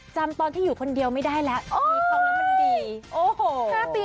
จำตอนที่อยู่คนเดียวไม่ได้แล้วมีความรักมันดี